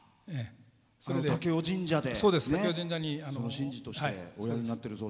武雄神社で神事としておやりになっていると。